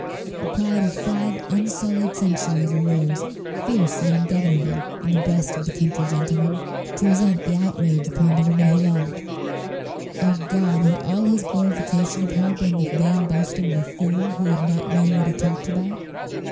The pride of five unsullied centuries arose, fierce and ungovernable, in the breast of the country gentleman, to resent this outrage upon the woman he loved. O God, had all his glorification of her been the vain boasting of a fool who had not known what he talked about?